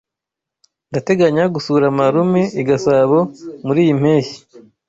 Ndateganya gusura marume i Gasabo muriyi mpeshyi.